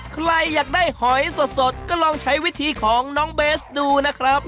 ใครอยากได้หอยสดก็ลองใช้วิธีของน้องเบสดูนะครับ